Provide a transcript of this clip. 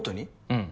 うん。